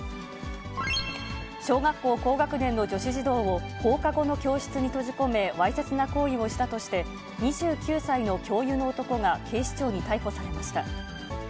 小学校高学年の女子児童を放課後の教室に閉じ込め、わいせつな行為をしたとして、２９歳の教諭の男が警視庁に逮捕されました。